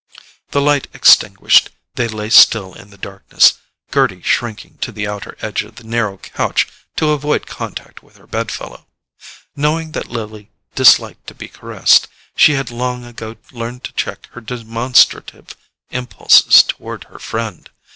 The light extinguished, they lay still in the darkness, Gerty shrinking to the outer edge of the narrow couch to avoid contact with her bed fellow. Knowing that Lily disliked to be caressed, she had long ago learned to check her demonstrative impulses toward her friend.